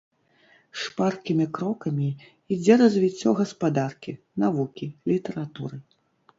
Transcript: Шпаркімі крокамі ідзе развіццё гаспадаркі, навукі, літаратуры.